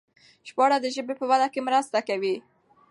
ژباړه د ژبې په وده کې مرسته کوي.